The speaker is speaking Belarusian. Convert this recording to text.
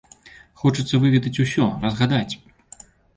Хочацца выведаць усё, разгадаць.